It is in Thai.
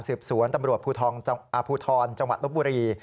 สืบสวนตำรวจภูทรลบุรี